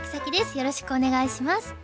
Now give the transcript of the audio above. よろしくお願いします。